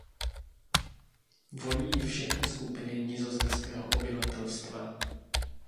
Volí ji všechny skupiny nizozemského obyvatelstva.